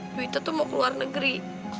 duitnya tuh mau ke luar negeri